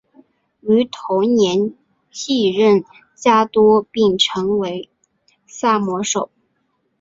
于同年继任家督并成为萨摩守。